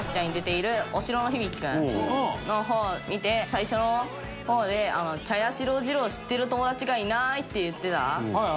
最初の方で「茶屋四郎次郎を知ってる友達がいない」って言ってた時に。